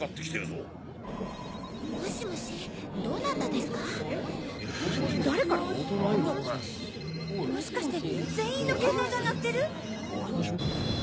もしかして全員のケータイが鳴ってる？